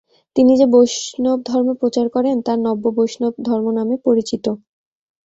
তিনি যে বৈষ্ণবধর্ম প্রচার করেন তা নব্যবৈষ্ণবধর্ম নামে পরিচিত।